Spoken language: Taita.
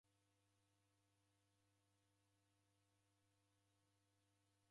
Naghora w'elee, uo mwana ulilagha ufunyo.